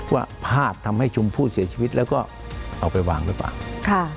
ว่าพลาดทำให้ชมพู่เสียชีวิตแล้วก็เอาไปวางหรือเปล่าค่ะ